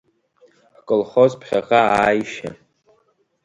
Ҳколхоз Ԥхьаҟа ааишьа.